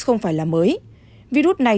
không phải là mới virus này